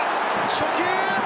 初球。